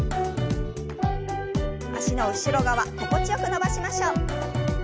脚の後ろ側心地よく伸ばしましょう。